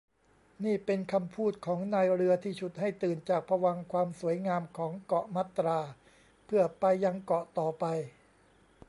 นี่เป็นคำพูดของนายเรือที่ฉุดให้ตื่นจากภวังค์ความสวยงามของเกาะมัตรา เพื่อไปยังเกาะต่อไป